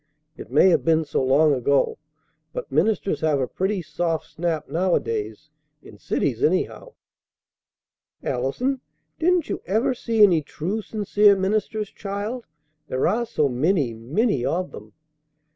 It may have been so long ago; but ministers have a pretty soft snap nowadays, in cities anyhow." "Allison! Didn't you ever see any true, sincere ministers, child? There are so many, many of them!"